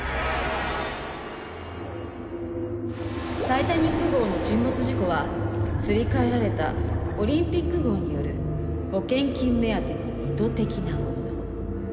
タイタニック号の沈没事故はすり替えられたオリンピック号による保険金目当ての意図的なもの。